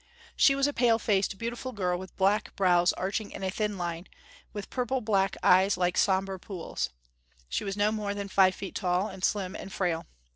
She was a pale faced, beautiful girl, with black brows arching in a thin line, with purple black eyes like somber pools. She was no more than five feet tall, and slim and frail.